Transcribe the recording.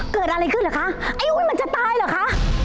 เกิดอะไรขึ้นเหรอคะไอ้อุ้ยมันจะตายเหรอคะ